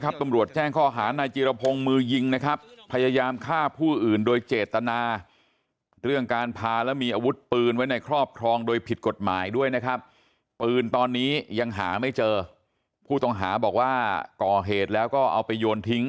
แบบนี้มันไม่ถึงตายเลย